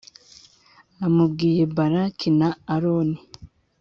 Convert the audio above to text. amubwiye Balaki na aloni